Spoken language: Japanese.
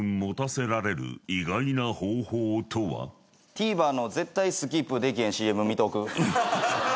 ＴＶｅｒの絶対スキップできへんＣＭ見とく。